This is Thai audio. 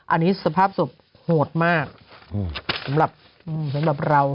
อันนี้สภาพสุดโหดมากสำหรับเรา